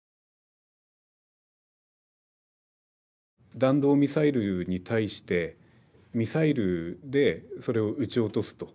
弾道ミサイルに対してミサイルでそれを撃ち落とすと。